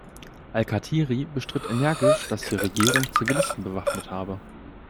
Alkatiri bestritt energisch, dass die Regierung Zivilisten bewaffnet habe.